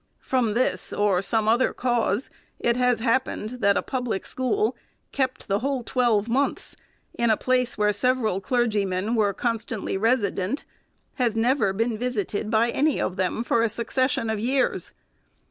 From this or some other cause it has happened, that a public school, kept the whole twelve months, in a place where several clergy men were constantly resident, has never been visited by any of them for a succession of years.